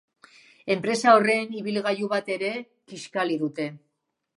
Enpresa horren ibilgailu bat ere kiskali dute.